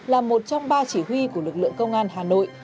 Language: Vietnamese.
là một trong ba chỉ huy của lực lượng công an hà nội